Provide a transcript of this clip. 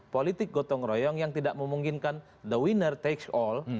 politik gotong royong yang tidak memungkinkan the winner takes all